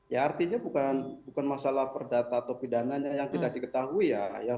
ya artinya bukan masalah perdata atau pidananya yang tidak diketahui ya